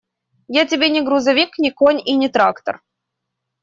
Я тебе не грузовик, не конь и не трактор.